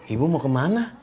ibu mau kemana